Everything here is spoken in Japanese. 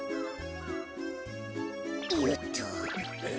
よっと。